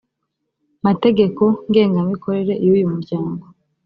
mategeko ngengamikorere y uyu muryango